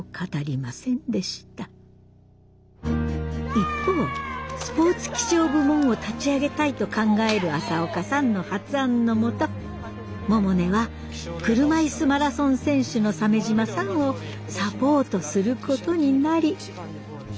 一方スポーツ気象部門を立ち上げたいと考える朝岡さんの発案のもと百音は車いすマラソン選手の鮫島さんをサポートすることになり。